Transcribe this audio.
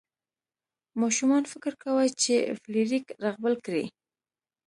ماشومان فکر کاوه چې فلیریک رغبل کړي.